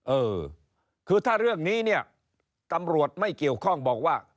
เออคือถ้าเรื่องนี้เนี่ยตำรวจไม่เกี่ยวข้องบอกว่า